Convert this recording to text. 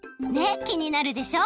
えきになるでしょ？